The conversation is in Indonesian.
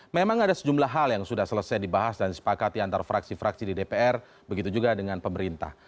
memang ada sejumlah hal yang sudah selesai dibahas dan disepakati antara fraksi fraksi di dpr begitu juga dengan pemerintah